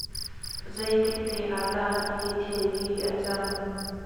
Zeitikte ah dah hi thil hi a cang?